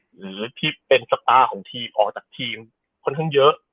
หรือที่เป็นสตาร์ของทีมออกจากทีมค่อนข้างเยอะ